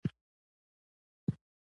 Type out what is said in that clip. هغه په تلوار سره دوه گامه شاته سوه.